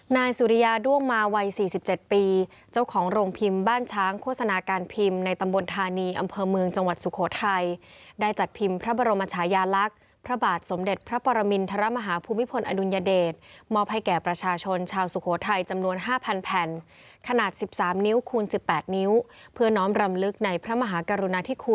นายสุริยาด้วงมาวัย๔๗ปีเจ้าของโรงพิมพ์บ้านช้างโฆษณาการพิมพ์ในตำบลธานีอำเภอเมืองจังหวัดสุโขทัยได้จัดพิมพ์พระบรมชายาลักษณ์พระบาทสมเด็จพระปรมินทรมาฮาภูมิพลอดุลยเดชมอบให้แก่ประชาชนชาวสุโขทัยจำนวน๕๐๐แผ่นขนาด๑๓นิ้วคูณ๑๘นิ้วเพื่อน้องรำลึกในพระมหากรุณาธิคุณ